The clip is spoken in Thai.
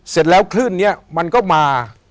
เสร็จแล้วคลื่นนี้มันก็มา